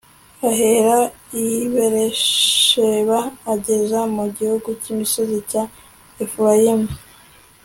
ahera i Bērisheba ageza mu gihugu cyimisozi cya Efurayimu